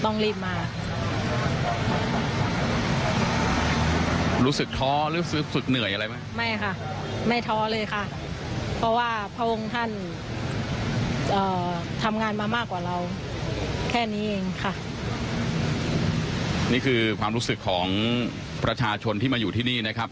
นี่คือความรู้สึกของประชาชนที่มาอยู่ที่นี่นะครับ